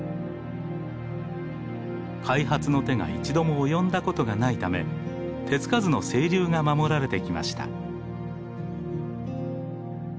開発の手が一度も及んだことがないため手付かずの清流が守られてきました。